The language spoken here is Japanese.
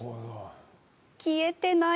消えてない！